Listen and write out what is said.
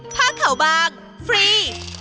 ผ้าเขาบางฟรี